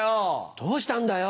どうしたんだよ？